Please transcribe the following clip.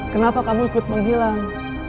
kenapa kamu ikut menghilang